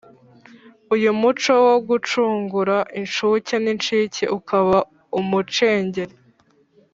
Uyu muco wo gucungura inshuke n'inshike ukaba umucengeri